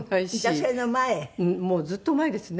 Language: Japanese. もうずっと前ですね。